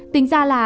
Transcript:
tính ra là